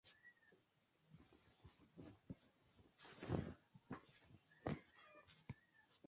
El órgano Rudolph Wurlitzer Company podía simular sonidos de orquesta, entre otros.